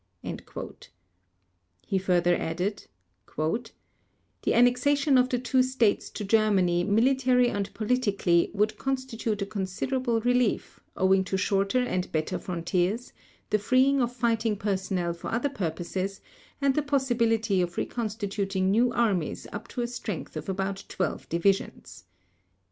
He further added: "The annexation of the two States to Germany militarily and politically would constitute a considerable relief, owing to shorter and better frontiers, the freeing of fighting personnel for other purposes, and the possibility of reconstituting new armies up to a strength of about twelve divisions."